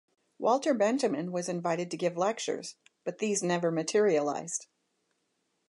Walter Benjamin was invited to give lectures, but these never materialized.